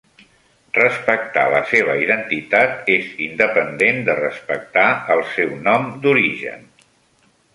Respectar la seva identitat és independent de respectar el seu nom d'origen.